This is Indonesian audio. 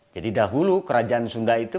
jadi dahulu kerajaan sunda itu